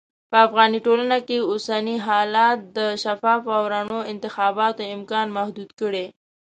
په افغاني ټولنه کې اوسني حالات د شفافو او رڼو انتخاباتو امکان محدود کړی.